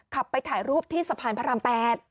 ไปถ่ายรูปที่สะพานพระราม๘